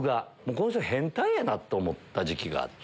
この人変態やなと思った時期があって。